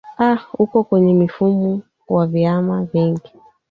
a uko kwenye mifumo wa viama vingi